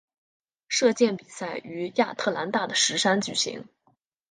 射箭比赛于亚特兰大的石山举行。